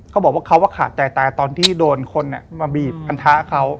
เขาบอกว่าเขาขาดใจตายตอนที่โดนคนมาบีบอันทะเขา